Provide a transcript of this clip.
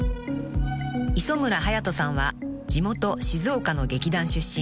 ［磯村勇斗さんは地元静岡の劇団出身］